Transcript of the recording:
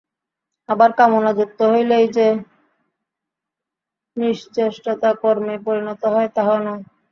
আবার কামনাযুক্ত হইলেই যে নিশ্চেষ্টতা কর্মে পরিণত হয়, তাহাও নয়।